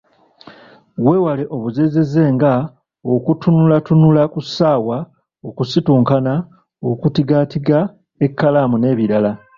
Weewale obuzeezeze nga; okutunulatunula ku ssaawa, okusitunkana, okutigaatiga ekkalaamu n'ebirala.